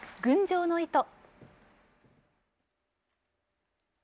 「群青の弦」。